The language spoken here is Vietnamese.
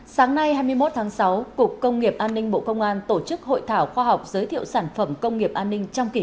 sáng nay hai mươi một tháng sáu cục công nghiệp an ninh bộ công an tổ chức hội thảo khoa học giới thiệu sản phẩm công nghiệp an ninh trong kỳ